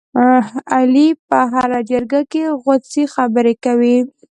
علي په هره جرګه کې غوڅې خبرې کوي.